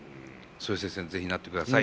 そういう先生に是非なってください。